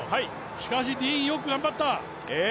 しかしディーン、よく頑張った。